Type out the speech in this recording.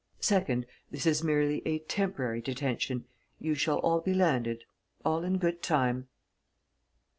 Second this is merely a temporary detention you shall all be landed all in good time."